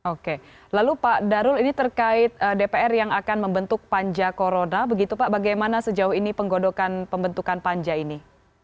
oke lalu pak darul ini terkait dpr yang akan membentuk panja corona begitu pak bagaimana sejauh ini penggodokan pembentukan panja ini